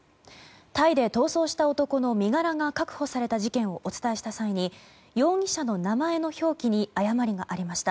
タイで逃走した男の身柄が確保された事件をお伝えした際に容疑者の名前の表記に誤りがありました。